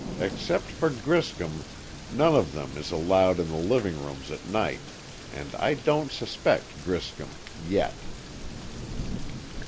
Except for Griscom, none of them is allowed in the living rooms at night, and I don't suspect Griscom—yet."